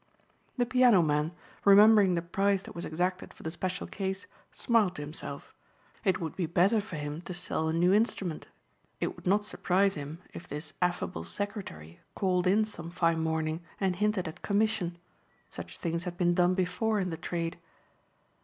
The piano man, remembering the price that was exacted for the special case, smiled to himself. It would be better for him to sell a new instrument. It would not surprise him if this affable secretary called in some fine morning and hinted at commission. Such things had been done before in the trade.